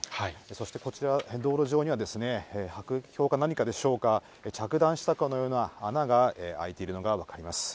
そしてこちら、道路上には迫撃砲か何かでしょうか、着弾した穴が開いているのが分かります。